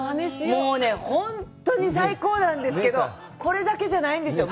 もうね、本当に最高なんですけど、これだけじゃないんですよ。